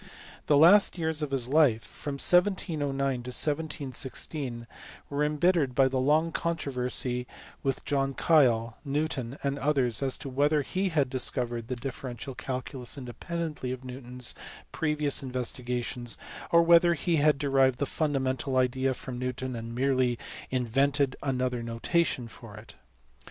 The last years of his life from 1709 to 1716 were em bittered by the long controversy with John Keill, Newton, and others as to whether he had discovered the differential calculus independently of Newton s previous investigations or whether he had derived the fundamental idea from Newton and merely invented another notation for it.